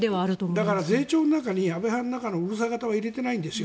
だから税調の中に安倍派のうるさ型は入れてないんですよ。